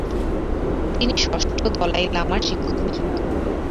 তিনি ষষ্ঠ দলাই লামার শিক্ষক নিযুক্ত হন।